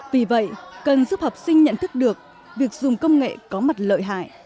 vì vậy cần giúp học sinh nhận thức được việc dùng công nghệ có mặt lợi hại